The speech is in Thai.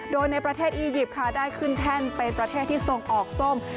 โดยในประเทศอียิปต์ค่ะได้ขึ้นแท่นเป็นประเทศที่ส่งออกส้ม